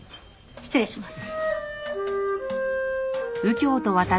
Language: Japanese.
失礼します。